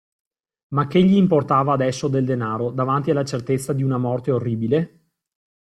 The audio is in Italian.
Ma che gli importava adesso del denaro, davanti alla certezza di una morte orribile?